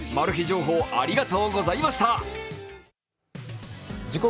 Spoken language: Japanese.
情報、ありがとうございました。